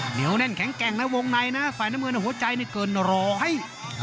เหนียวแน่นแข็งแกร่งนะวงในนะฝ่ายน้ำเงินหัวใจนี่เกินร้อย